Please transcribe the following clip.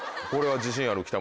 これは自信ある？